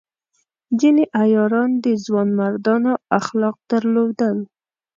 ځینې عیاران د ځوانمردانو اخلاق درلودل.